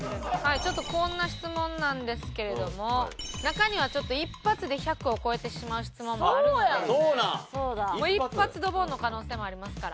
こんな質問なんですけれども中には一発で１００を超えてしまう質問もあるので一発ドボンの可能性もありますから。